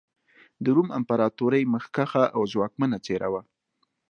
د روم امپراتورۍ مخکښه او ځواکمنه څېره وه.